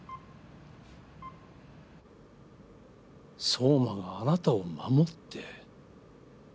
蒼真があなたを守って。